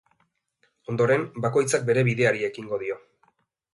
Ondoren, bakoitzak bere bideari ekingo dio.